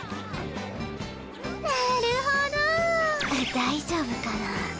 大丈夫かな